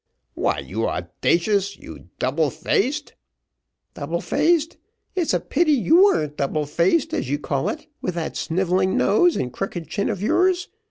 "Why, you audacious you double faced " "Double faced! it's a pity you wer'n't double faced, as you call it, with that snivelling nose and crooked chin of yours.